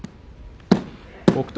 北勝